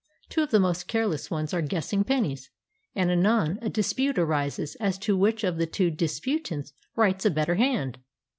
Two of the most careless ones are guessing pennies ; and anon a dispute arises as to which of the two disputants writes a better hand.